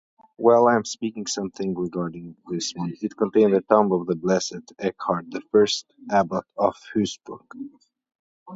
It contains the tomb of the Blessed Ekkehard, the first abbot of Huysburg.